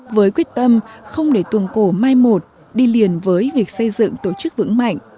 với quyết tâm không để tuồng cổ mai một đi liền với việc xây dựng tổ chức vững mạnh